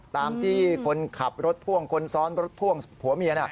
ตามที่คนขับรถพ่วงคนซ้อนรถพ่วงผัวเมีย